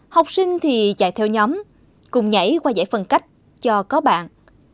học sinh thì chạy theo nhóm cùng nhảy qua giải phân cách cho có bạn